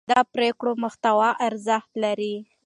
د پرېکړو محتوا ارزښت لري